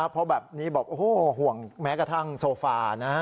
เพราะแบบนี้บอกโอ้โหห่วงแม้กระทั่งโซฟานะฮะ